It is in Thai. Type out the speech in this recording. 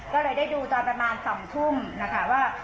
ก็เลยได้ดูตอนประมาณ๒ทุ่มนะคะว่า